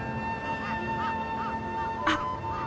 あっ！